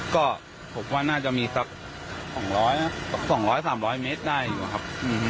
ก็ผมว่าน่าจะมีสักสองร้อยสักสองร้อยสามร้อยเมตรได้อยู่ครับ